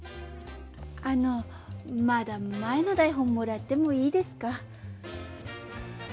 あのまだ前の台本もらってもいいですか？